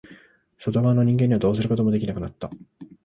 外側の人間にはどうすることもできなくなった。